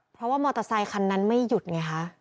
เพราะว่ามอเตอร์ไซคันนั้นไม่หยุดไงคะ